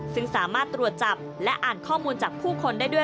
ซึ่งสามารถตรวจจับและอ่านข้อมูลจากผู้คนได้ด้วย